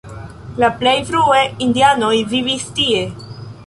La plej frue indianoj vivis tie.